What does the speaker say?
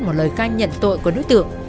một lời khai nhận tội của đối tượng